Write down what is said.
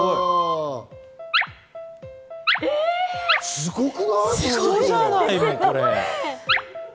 すごくない？